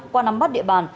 qua nắm bắt địa bàn